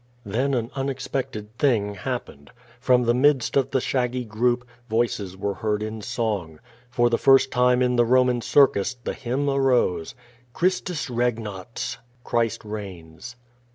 Then an unexpected thing happened. From the midst of the shaggy group, voices were heard in song. For the first time in the Roman circus the hymn arose: "Christus regnat!" (Christ reigns).